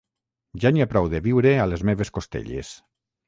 Ja n'hi ha prou de viure a les meves costelles.